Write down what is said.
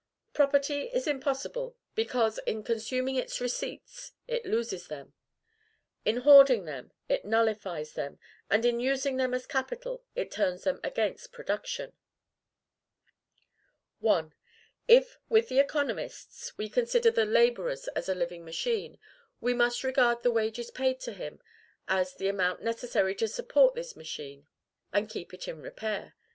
_Property is impossible, because, in consuming its Receipts, it loses them; in hoarding them, it nullifies them; and in using them as Capital, it turns them against Production_. I. If, with the economists, we consider the laborer as a living machine, we must regard the wages paid to him as the amount necessary to support this machine, and keep it in repair.